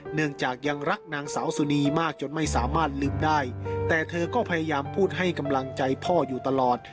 เนื่องจากยังรักนางสาวสุนีมากจนไม่สามารถลืมได้แต่เธอก็พยายามพูดให้กำลังใจพ่ออยู่ตลอด